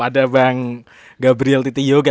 ada bang gabriel titi yoga